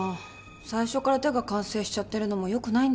最初から手が完成しちゃってるのも良くないんですね。